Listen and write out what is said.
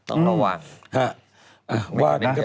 อันนี้เรื่องจริง